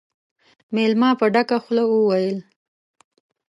مېلمه په ډکه خوله وويل: